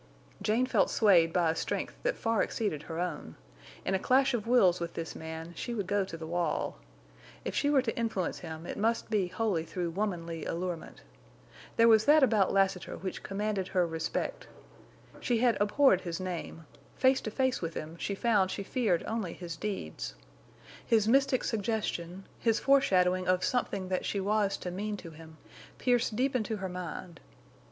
Jane felt swayed by a strength that far exceeded her own. In a clash of wills with this man she would go to the wall. If she were to influence him it must be wholly through womanly allurement. There was that about Lassiter which commanded her respect. She had abhorred his name; face to face with him, she found she feared only his deeds. His mystic suggestion, his foreshadowing of something that she was to mean to him, pierced deep into her mind.